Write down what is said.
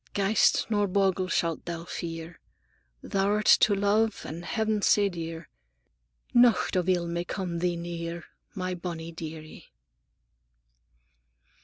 Ghaist nor bogle shalt thou fear, Thou'rt to love and Heav'n sae dear, Nocht of ill may come thee near, My bonnie dear ie!"